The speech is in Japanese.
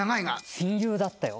「親友だったよ